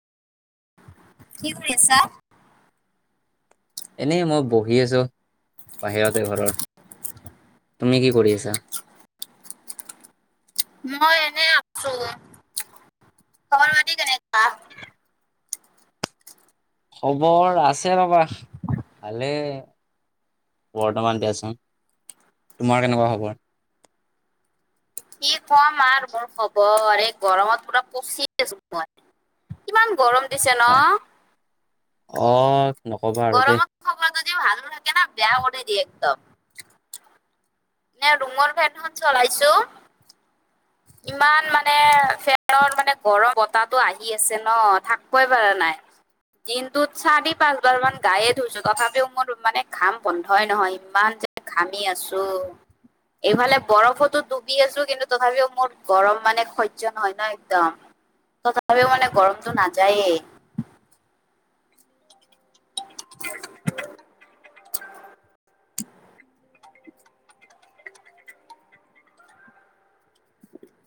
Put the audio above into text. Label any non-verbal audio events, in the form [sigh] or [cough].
কি কৰি আছা? এনেই মই বহি আছোঁ বাহিৰতে ঘৰত। তুমি কি কৰি আছা? মই এনে আছোঁ খবৰ খাটি কেনেকুৱা? খবৰ আছে ৰবা ভালে। বৰ্তমান দিয়াচোন। তোমাৰ কেনেকুৱা খবৰ? [inaudible] কি কম আৰু মোৰ খবৰ আৰু এই গৰমত পুৰা পচি আছোঁ মই। কিমান গৰম দিছে ন। হয়। অ' নকবা আৰু দেই। তাতেও ভাল আলু থাকে নে বেয়া হওঁতে দিয়ে একদম নে ৰুমৰ ফেনখন চলাইছোঁ। [inaudible] ইমান মানে ফেনৰ মানে গৰম বতাহটো আহি আছে ন থাকিবই পৰা নাই। দিনটোত চাৰি পাঁচবাৰ মান গায়ে ধুইছোঁ। তথাপিও মোৰ মানে ঘাম বন্ধই নহয় ইমান যে ঘামি আছোঁ এইফালে বৰফতো ডুবি আছোঁ কিন্তু তথাপিও মোৰ গৰম মানে সয্য নহয় না একদম তথাপিওঁ মানে গৰমটো নাযায়েই। [inaudible] [inaudible] [inaudible]